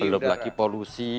belum lagi polusi